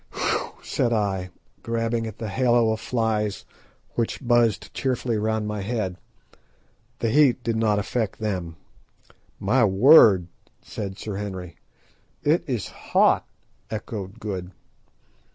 "Phew," said I, grabbing at the halo of flies which buzzed cheerfully round my head. The heat did not affect them. "My word!" said Sir Henry. "It is hot!" echoed Good.